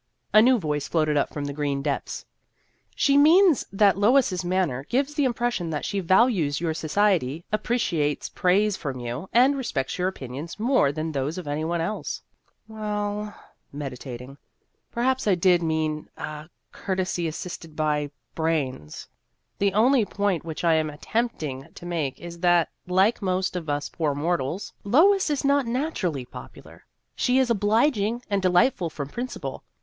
A new voice floated up from the green depths :" She means that Lois's manner gives the impression that she values your society, appreciates praise from you, and respects your opinions more than those of any one else." " Well," meditating, " perhaps I did mean ah courtesy assisted by brains. The History of an Ambition 45 The only point which I am attempting to make is that like most of us poor mortals Lois is not naturally popular. She is obliging and delightful from principle.